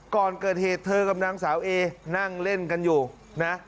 ก่อนเกิดเหตุเธอกับนางสาวเอนั่งเล่นกันอยู่นะ